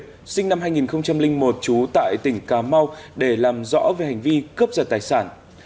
nguyễn minh kiệt sinh năm hai nghìn một trú tại tỉnh cà mau để làm rõ về hành vi cướp giật tài sản